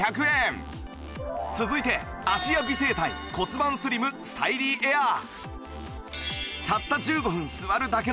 続いて芦屋美整体骨盤スリムスタイリーエアー